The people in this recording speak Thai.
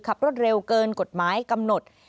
ขับรถเร็วเกินกฎหมายกำหนด